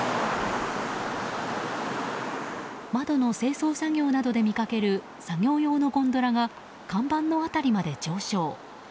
窓の清掃作業などで見かける作業用のゴンドラが看板の辺りまで上昇。